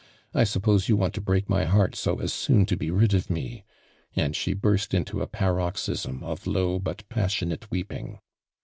I sup pose you want to break my heart so as soon to be rid of me 1" and she burst into a paroxysm of low but passionat^i weeping.